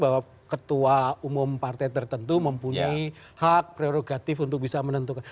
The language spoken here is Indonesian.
bahwa ketua umum partai tertentu mempunyai hak prerogatif untuk bisa menentukan